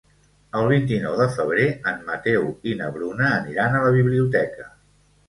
El vint-i-nou de febrer en Mateu i na Bruna aniran a la biblioteca.